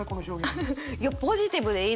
いやポジティブでいいですよね。